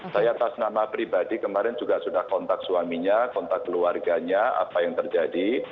saya atas nama pribadi kemarin juga sudah kontak suaminya kontak keluarganya apa yang terjadi